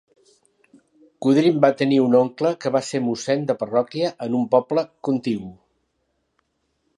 Coudrin va tenir un oncle que va ser mossèn de parròquia en un poble contigu.